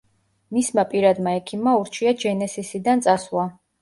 მისმა პირადმა ექიმმა ურჩია ჯენესისიდან წასვლა.